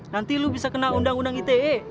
nanti lu bisa kena undang undang ite